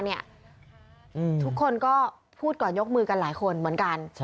ทุกคนก็พูดก่อนยกมือกันหลายคนเหมือนกัน